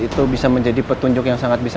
itu bisa menjadi petunjuk yang sangat bisa